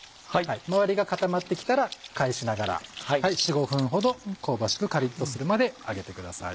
周りが固まってきたら返しながら４５分ほど香ばしくカリっとするまで揚げてください。